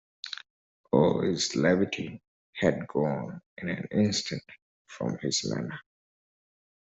All his levity had gone in an instant from his manner.